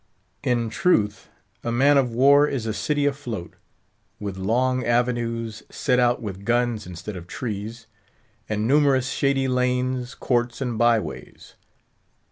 In truth, a man of war is a city afloat, with long avenues set out with guns instead of trees, and numerous shady lanes, courts, and by ways.